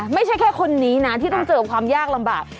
ไม่ใช่แค่คนนี้นะที่ต้องเจอความยากลำบาก